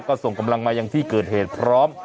ก็ส่งกำลังมายังที่เกิดเหตุพร้อม